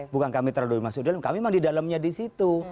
bukan kami terlalu masuk ke dalam kami memang di dalamnya disitu